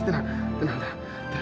tenang tenang tenang